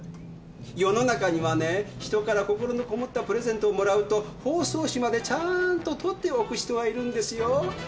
世の中にはね人から心のこもったプレゼントをもらうと包装紙までちゃんと取っておく人がいるんですよ。